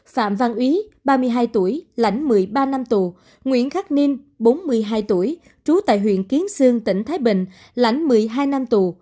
phạm văn úy ba mươi hai tuổi lãnh một mươi ba năm tù nguyễn khắc ninh bốn mươi hai tuổi trú tại huyện kiến sương tỉnh thái bình lãnh một mươi hai năm tù